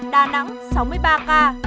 đà nẵng sáu mươi ba ca